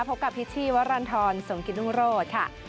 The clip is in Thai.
พบกับพิษชชี้วรรณทรสงกินรุ่งรจค่ะ